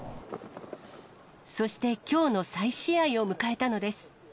そしてきょうの再試合を迎えたのです。